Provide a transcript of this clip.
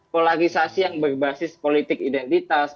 polarisasi yang berbasis politik identitas